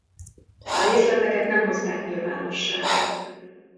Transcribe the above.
A részleteket nem hozták nyilvánosságra.